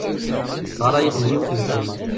Tesɣaray-iten yiwet n tselmadt.